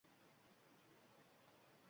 Topolmay kulbayi vayronamizni